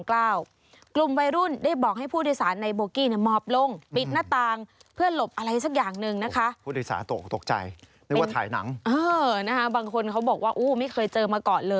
กลุ่มวัยรุ่นได้บอกให้ผู้ดิสารในโมกี้มอบลงปิดหน้าตางเพื่อหลบอะไรสักอย่างหนึ่งนะคะ